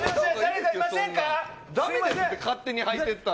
だめですって、勝手に入っていったら。